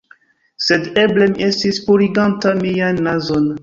Sed eble mi estis puriganta mian nazon